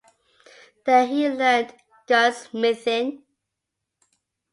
There he learned gunsmithing.